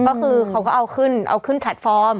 ก็คือเขาก็เอาขึ้นเอาขึ้นแพลตฟอร์ม